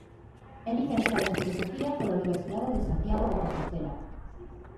É Licenciado en Filosofía pola Universidade de Santiago de Compostela.